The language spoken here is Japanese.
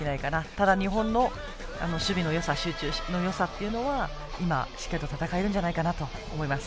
ただ、日本の守備のよさ集中のよさというのはしっかりと戦えるんじゃないかなと思います。